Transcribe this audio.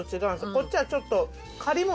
こっちはちょっと。